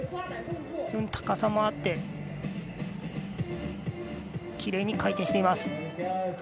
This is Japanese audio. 高さもあってきれいに回転しています。